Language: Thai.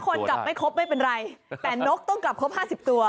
คนจับไม่ครบไม่เป็นไรแต่นกต้องกลับครบ๕๐ตัว